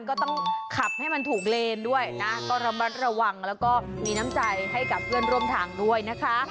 ก็ต้องขับให้มันถูกเลนด้วยนะก็ระมัดระวังแล้วก็มีน้ำใจให้กับเพื่อนร่วมทางด้วยนะคะ